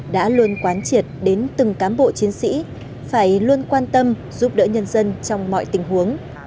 đã luôn quán triệt đến từng cán bộ chiến sĩ phải luôn quan tâm giúp đỡ nhân dân trong mọi tình huống